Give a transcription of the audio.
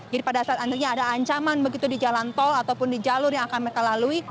jadi pada saat nantinya ada ancaman begitu di jalan tol ataupun di jalur yang akan mereka lalui